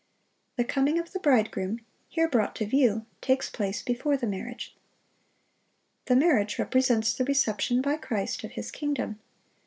The coming of the bridegroom, here brought to view, takes place before the marriage. The marriage represents the reception by Christ of His kingdom.